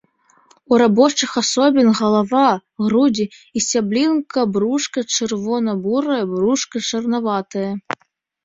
У рабочых асобін галава, грудзі і сцяблінка брушка чырвона-бурыя, брушка чарнаватае.